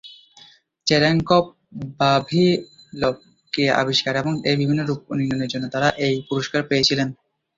Cherenkov-Vavilov ক্রিয়া আবিষ্কার এবং এর বিভিন্ন রুপ নির্ণয়ের জন্য তারা এই পুরস্কার পেয়েছিলেন।